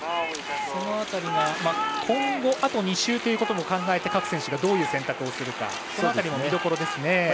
その辺りは今後あと２周ということも考えて各選手がどういう選択をするかも見どころですね。